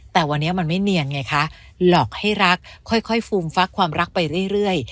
แต่วันนี้มันไม่เนียนไงคะหลอกให้รักค่อยฟูมฟักความรักไปเรื่อย